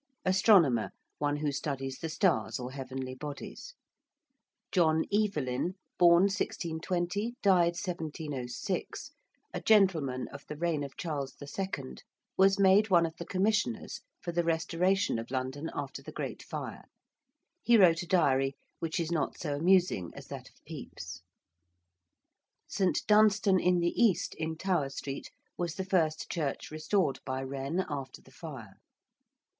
~Astronomer~: one who studies the stars or heavenly bodies. ~John Evelyn~ (born 1620, died 1706), a gentleman of the reign of Charles II., was made one of the commissioners for the restoration of London after the Great Fire. He wrote a diary, which is not so amusing as that of Pepys (see Chapter LI.) ~St. Dunstan in the East~, in Tower Street, was the first church restored by Wren after the fire.